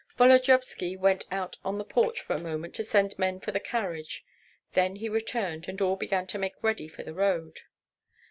Volodyovski went out on the porch for a moment to send men for the carriage; then he returned, and all began to make ready for the road.